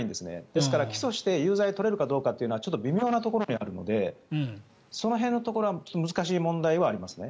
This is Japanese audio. ですから、起訴して有罪を取れるかどうかというのはちょっと微妙なところにあるのでその辺のところは難しい問題はありますね。